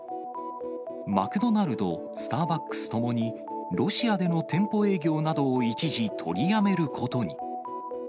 マクドナルド、スターバックスともに、ロシアでの店舗営業などを一時取りやめることに。